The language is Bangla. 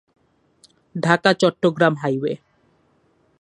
ঢাকা চট্টগ্রাম হাইওয়ে।